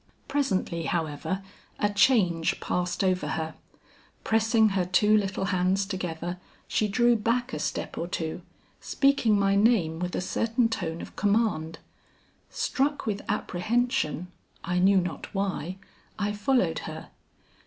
Presently however a change passed over her. Pressing her two little hands together, she drew back a step or two, speaking my name with a certain tone of command. Struck with apprehension, I knew not why, I followed her.